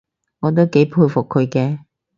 我都幾佩服佢嘅